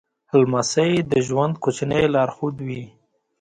لمسی د ژوند کوچنی لارښود وي.